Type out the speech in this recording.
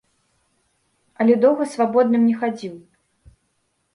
Але доўга свабодным не хадзіў.